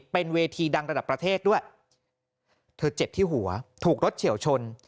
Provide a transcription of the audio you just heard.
เป็นเวทีดังระดับประเทศด้วยเธอเจ็บที่หัวถูกรถเฉียวชน